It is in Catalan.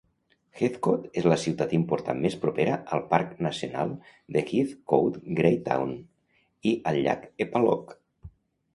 Heathcote és la ciutat important més propera al Parc Nacional de Heathcote-Graytown i al llac Eppalock.